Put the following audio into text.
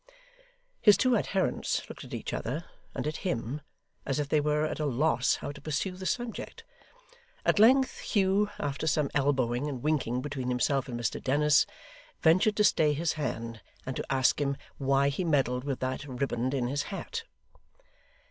His two adherents looked at each other, and at him, as if they were at a loss how to pursue the subject. At length Hugh, after some elbowing and winking between himself and Mr Dennis, ventured to stay his hand, and to ask him why he meddled with that riband in his hat.